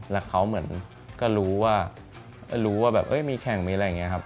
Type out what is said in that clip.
แล้วเขาเหมือนก็รู้ว่ารู้ว่าแบบมีแข่งมีอะไรอย่างนี้ครับ